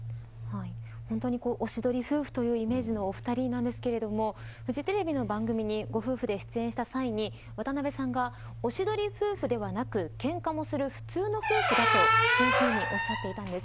本当におしどり夫婦というイメージのお二人なんですけれどもフジテレビの番組にご夫婦で出演した際に渡辺さんがおしどり夫婦ではなくけんかもする普通の夫婦だとおっしゃっていたんです。